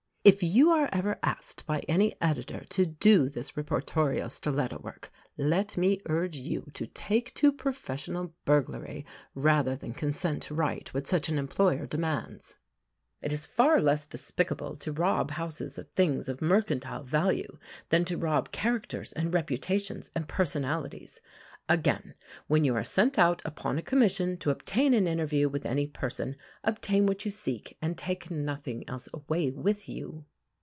If you are ever asked by any editor to do this reportorial stiletto work, let me urge you to take to professional burglary, rather than consent to write what such an employer demands. It is far less despicable to rob houses of things of mercantile value, than to rob characters and reputations and personalities. Again, when you are sent out upon a commission to obtain an interview with any person, obtain what you seek and take nothing else away with you.